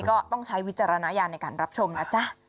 ก็ต้องใช้วิจารณญาณในการรับชมนะจ๊ะ